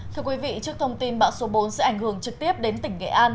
thưa quý vị trước thông tin bão số bốn sẽ ảnh hưởng trực tiếp đến tỉnh nghệ an